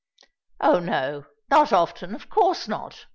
"Oh! no—not often—of course not!"